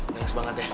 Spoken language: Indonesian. thanks banget ya